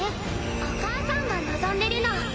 お母さんが望んでるの。